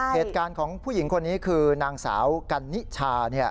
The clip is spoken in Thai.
เหตุการณ์ของผู้หญิงคนนี้คือนางสาวกันนิชา